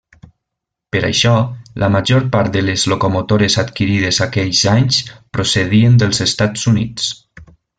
Per això, la major part de les locomotores adquirides aquells anys procedien dels Estats Units.